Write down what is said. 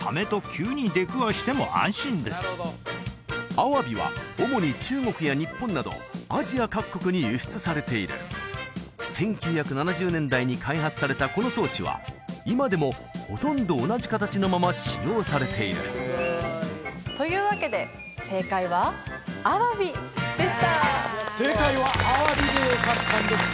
アワビは主に中国や日本などアジア各国に輸出されている１９７０年代に開発されたこの装置は今でもほとんど同じ形のまま使用されているというわけで正解は「アワビ」でした正解は「アワビ」でよかったんです